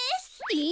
え！